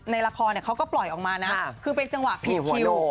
ในละครเขาก็ปล่อยออกมานะคือเป็นจังหวะผิดคิว